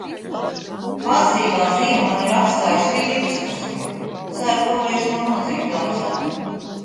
Pasīvā ziema man ir atstājusi riepas nospiedumu, ceru, ka varēšu to nodzīt dārzā.